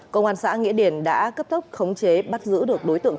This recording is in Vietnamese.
công an xã nghĩa điển đã cấp thấp khống chế bắt giữ được đối tượng